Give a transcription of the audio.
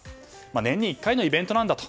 年に１回のイベントなんだと。